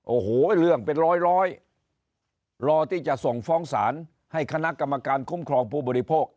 โอ้โหเรื่องเป็นร้อยรอที่จะส่งฟ้องศาลให้คณะกรรมการคุ้มครองผู้บริโภค